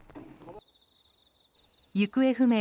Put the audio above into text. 行方不明